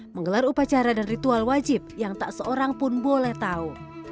menggelar upacara dan ritual wajib yang tak seorang pun boleh tahu